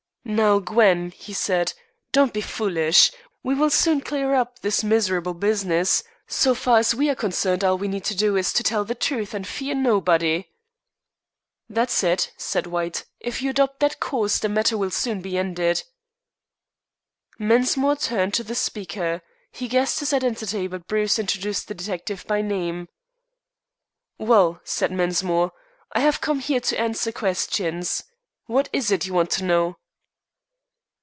"Now, Gwen," he said, "don't be foolish. We will soon clear up this miserable business. So far as we are concerned, all we need to do is to tell the truth and fear nobody." "That's it," said White. "If you adopt that course the matter will soon be ended." Mensmore turned to the speaker. He guessed his identity, but Bruce introduced the detective by name. "Well," said Mensmore, "I have come here to answer questions. What is it you want to know?"